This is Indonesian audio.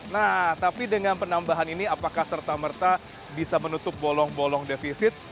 nah tapi dengan penambahan ini apakah serta merta bisa menutup bolong bolong defisit